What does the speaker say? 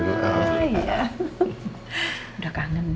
udah kangen dia